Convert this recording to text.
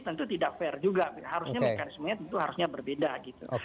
tentu tidak fair juga harusnya mekanismenya tentu harusnya berbeda gitu